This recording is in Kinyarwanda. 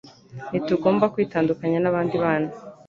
Ntitugomba kwitandukanya n'abandi bana